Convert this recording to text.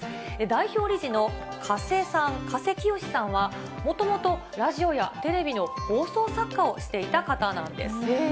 代表理事の加瀬さん、加瀬清志さんは、もともとラジオやテレビの放送作家をしていた方なんです。